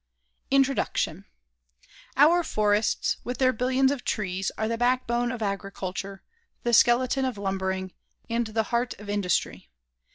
INTRODUCTION Our forests, with their billions of trees, are the backbone of agriculture, the skeleton of lumbering, and the heart of industry.